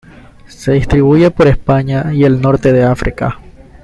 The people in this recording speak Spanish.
Se distribuye por España y el Norte de África.